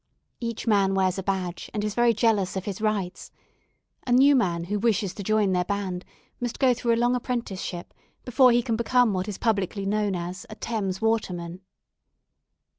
Each man wears a badge, and is very jealous of his rights. A new man who wishes to join their band must go through a long apprenticeship before he can become what is publicly known as a "Thames Waterman."